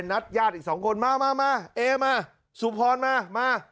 นัดญาติอีกสองคนมาเอมาสุพรมา